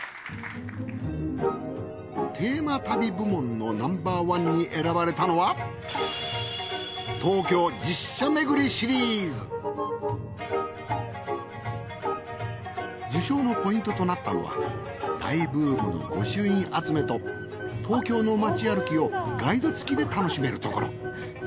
テーマ旅部門のＮｏ．１に選ばれたのは受賞のポイントとなったのは大ブームの御朱印集めと東京のまち歩きをガイド付きで楽しめるところ。